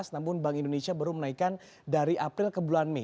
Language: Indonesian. namun bank indonesia baru menaikkan dari april ke bulan mei